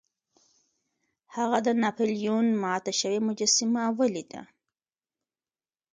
هغه د ناپلیون ماته شوې مجسمه ولیده.